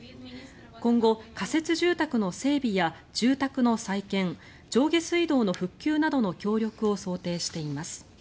今後、仮設住宅の整備や住宅の再建上下水道の復旧などの協力を想定しています。